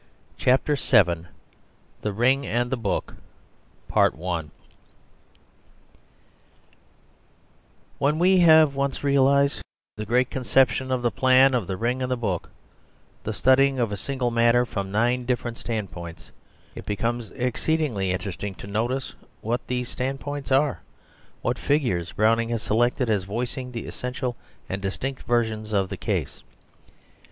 CHAPTER VII THE RING AND THE BOOK When we have once realised the great conception of the plan of The Ring and the Book, the studying of a single matter from nine different stand points, it becomes exceedingly interesting to notice what these stand points are; what figures Browning has selected as voicing the essential and distinct versions of the case.